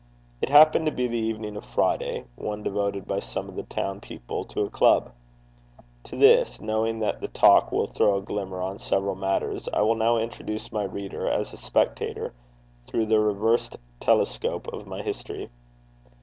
It happened to be the evening of Friday, one devoted by some of the townspeople to a symposium. To this, knowing that the talk will throw a glimmer on several matters, I will now introduce my reader, as a spectator through the reversed telescope of my history.